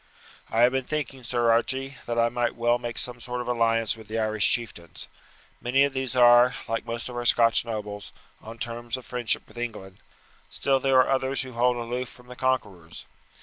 "I have been thinking, Sir Archie, that I might well make some sort of alliance with the Irish chieftains. Many of these are, like most of our Scotch nobles, on terms of friendship with England; still there are others who hold aloof from the conquerors.